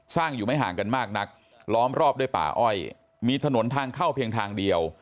อยู่ไม่ห่างกันมากนักล้อมรอบด้วยป่าอ้อยมีถนนทางเข้าเพียงทางเดียว